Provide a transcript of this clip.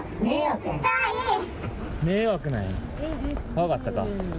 分かったか？